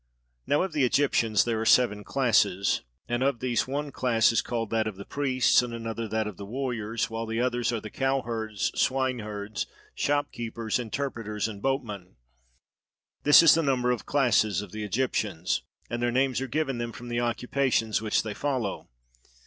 Now of the Egyptians there are seven classes, and of these one class is called that of the priests, and another that of the warriors, while the others are the cowherds, swineherds, shopkeepers, interpreters, and boatmen. This is the number of the classes of the Egyptians, and their names are given them from the occupations which they follow.